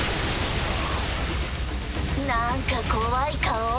なんか怖い顔。